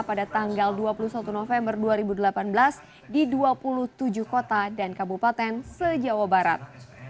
pada tanggal dua puluh satu november dua ribu delapan belas di dua puluh tujuh kota dan kabupaten se jawa barat